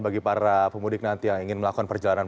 bagi para pemudik nanti yang ingin melakukan perjalanan